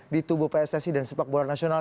di tubuh pssi dan sepak bola nasional